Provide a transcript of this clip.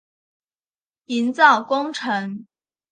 营造工程